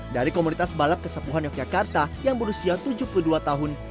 dari komunitas balap kesepuhan yogyakarta yang berusia tujuh puluh dua tahun